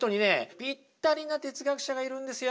ピッタリな哲学者がいるんですよ。